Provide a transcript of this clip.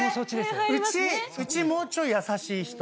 うちもうちょい優しい人。